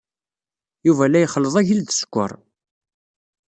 Yuba la ixelleḍ agil d sskeṛ.